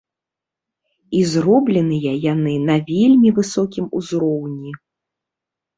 І зробленыя яны на вельмі высокім узроўні.